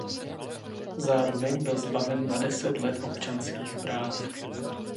Zároveň byl zbaven na deset let občanských práv.